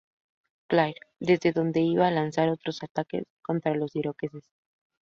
Clair— desde donde iba a lanzar otro ataque contra los iroqueses.